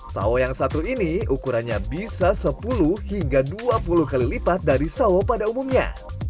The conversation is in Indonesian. sawo yang satu ini ukurannya bisa sepuluh hingga dua puluh kali lipat dari sawo pada umumnya